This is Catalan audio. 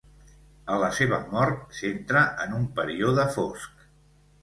A la seva mort s'entra en un període fosc.